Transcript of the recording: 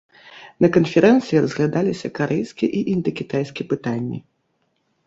На канферэнцыі разглядаліся карэйскі і індакітайскі пытанні.